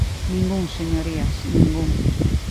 Ningún, señorías, ningún.